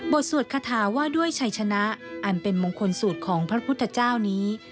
สวดคาถาว่าด้วยชัยชนะอันเป็นมงคลสูตรของพระพุทธเจ้านี้